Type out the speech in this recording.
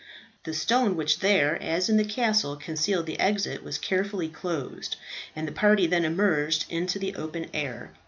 The stone which there, as in the castle, concealed the exit, was carefully closed, and the party then emerged into the open air.